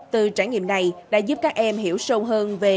từ trải nghiệm này đã giúp các em hiểu sâu hơn về công việc